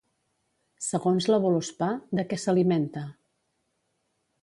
Segons la Vǫlospá, de què s'alimenta?